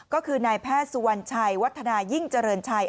ก็คือนายแพทย์สุวรรณชัยวัฒนายิ่งเจริญชัย